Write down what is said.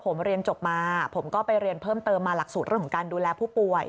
ผมเรียนจบมาผมก็ไปเรียนเพิ่มเติมมาหลักสูตรเรื่องของการดูแลผู้ป่วย